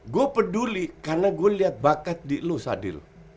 gue peduli karena gue liat bakat di lu sadil